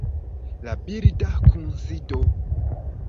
La birda kunsido